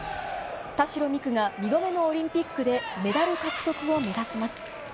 田代未来が２度目のオリンピックでメダル獲得を目指します。